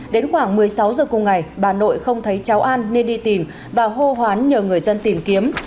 đến khoảng một mươi sáu giờ cùng ngày bà nội không thấy cháu an nên đi tìm và hô hoán nhờ người dân tìm kiếm